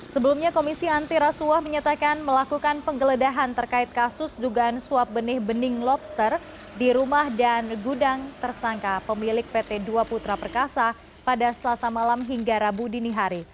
sebelumnya komisi antirasuah menyatakan melakukan penggeledahan terkait kasus dugaan suap benih bening lobster di rumah dan gudang tersangka pemilik pt dua putra perkasa pada selasa malam hingga rabu dini hari